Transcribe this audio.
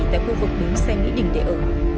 tại khu vực đến xe mỹ đình để ở